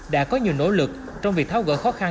đã có nhiều nỗ lực trong việc tháo gỡ khó khăn